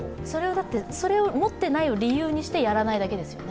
持ってないを理由にしてやらないだけですよね。